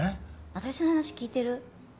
私の話聞いてる？